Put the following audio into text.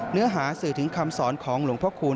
เนื้อหาสื่อถึงคำสอนของหลวงพระคูณ